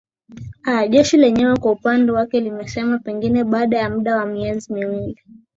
aa jeshi lenyewe kwa upande wake limesema pengine baada ya muda wa miezi miwili